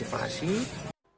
kita sudah mengakses parasi